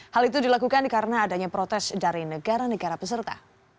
hal itu dilakukan karena adanya protes dari negara negara peserta